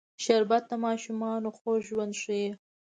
شربت د ماشومانو خوږ ژوند ښيي